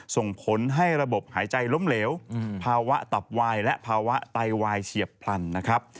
ส่งผลให้ระบบหายใจล้มเหลวภาวะตับวายและภาวะไตวายเฉียบพลันนะครับ